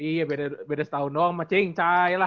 iya beda setahun doang sama cingcai lah